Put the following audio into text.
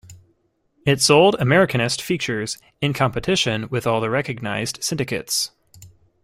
It sold "Americanist" features, in competition with all the recognized syndicates.